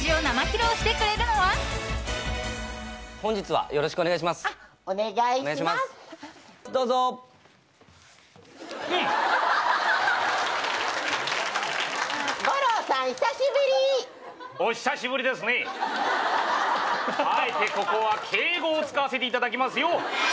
あえて、ここは敬語を使わせていただきますよ。